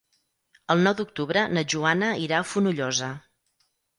El nou d'octubre na Joana irà a Fonollosa.